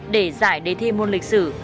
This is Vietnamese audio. để giải đề thi môn lịch sử